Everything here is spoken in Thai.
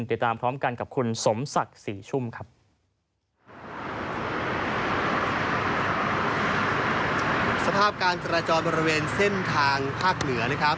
สภาพการจราจรบริเวณเส้นทางภาคเหนือ